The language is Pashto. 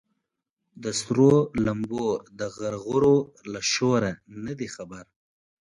د سرو لمبو د غرغرو له شوره نه دي خبر